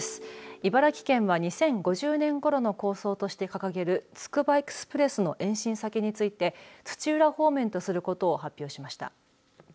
茨城県は２０５０年ごろの構想として掲げるつくばエクスプレスの延伸先について土浦方面とすることを発表しました。